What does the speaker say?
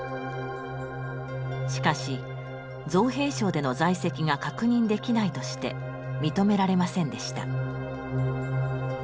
しかし造兵廠での在籍が確認できないとして認められませんでした。